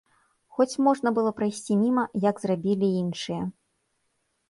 Хоць можна было прайсці міма, як зрабілі іншыя.